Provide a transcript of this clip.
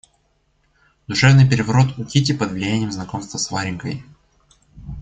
Душевный переворот у Кити под влиянием знакомства с Варенькой.